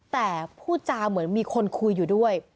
แต่พูดจาเหมือนมีคนคุยอยู่ด้วย